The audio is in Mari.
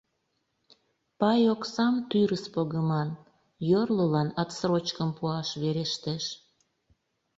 Пай оксам тӱрыс погыман, йорлылан отсрочкым пуаш верештеш.